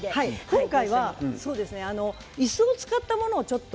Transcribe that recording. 今回はいすを使ったものを、ちょっと。